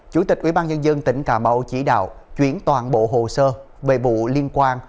chủ tịch ubnd tỉnh cà mau chỉ đạo chuyển toàn bộ hồ sơ về vụ liên quan